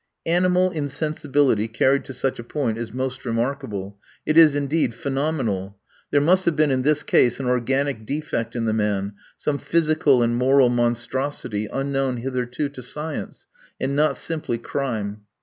Animal insensibility carried to such a point is most remarkable it is, indeed, phenomenal. There must have been in this case an organic defect in the man, some physical and moral monstrosity unknown hitherto to science, and not simply crime.